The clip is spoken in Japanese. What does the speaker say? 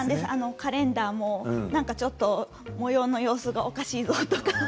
カレンダーも模様の様子がおかしいぞとか。